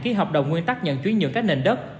ký hợp đồng nguyên tắc nhận chuyến nhượng các nền đất